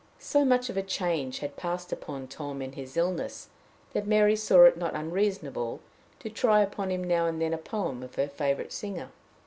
So much of a change had passed upon Tom in his illness, that Mary saw it not unreasonable to try upon him now and then a poem of her favorite singer.